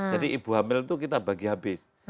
jadi ibu hamil itu kita bagi habis